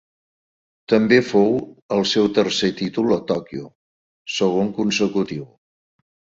També fou el seu tercer títol a Tòquio, segon consecutiu.